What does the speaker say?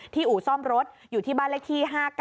อู่ซ่อมรถอยู่ที่บ้านเลขที่๕๙